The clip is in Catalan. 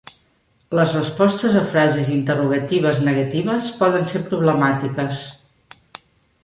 Les respostes a frases interrogatives negatives poden ser problemàtiques.